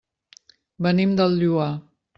Venim del Lloar.